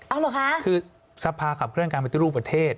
เอาหรือคะคือทรภาคับเครื่องการประตูรูปประเทศ